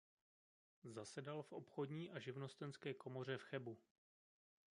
Zasedal v obchodní a živnostenské komoře v Chebu.